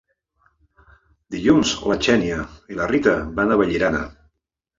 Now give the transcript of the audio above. Dilluns na Xènia i na Rita van a Vallirana.